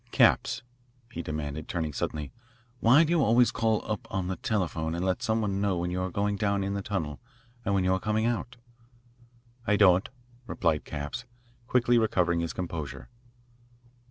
"Capps," he demanded, turning suddenly, "why do you always call up on the telephone and let some one know when you are going down in the tunnel and when you are coming out?" "I don't," replied Capps, quickly recovering his composure.